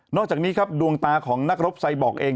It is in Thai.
อกจากนี้ครับดวงตาของนักรบไซบอกเอง